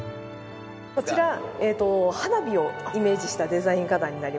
こちら花火をイメージしたデザイン花壇になります。